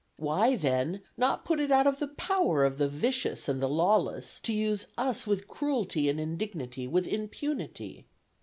Why, then, not put it out of the power of the vicious and the lawless to use us with cruelty and indignity with impunity?